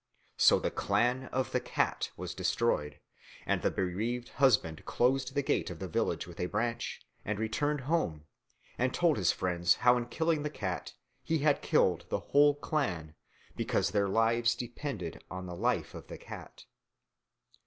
So the Clan of the Cat was destroyed; and the bereaved husband closed the gate of the village with a branch, and returned home, and told his friends how in killing the cat he had killed the whole clan, because their lives depended on the life of the cat.